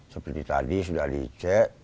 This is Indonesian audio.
seperti tadi sudah dicek